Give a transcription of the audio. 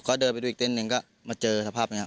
ก็เดินไปดูอีกเต้นหนึ่งก็มาเจอสภาพนะครับ